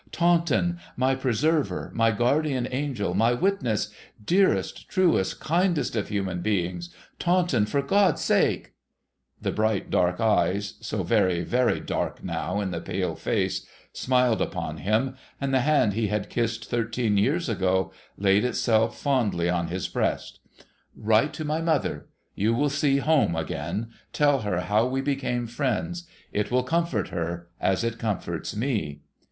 * Taunton ! My preserver, my guardian angel, my witness ! Dearest, truest, kindest of human beings ! Taunton ! For God's sake !' The bright, dark eyes — so very, very dark now, in the pale face — smiled upon him ; and the hand he had kissed thirteen years ago laid itself fondly on his breast. ' ^Vrite to my mother. You will see Home again. Tell her how we became friends. It will comfort her, as it comforts me.'